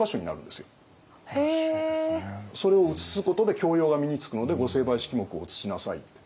それを写すことで教養が身につくので御成敗式目を写しなさいって。